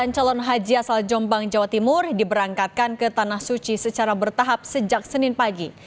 satu satu ratus enam puluh sembilan calon haji asal jombang jawa timur diberangkatkan ke tanah suci secara bertahap sejak senin pagi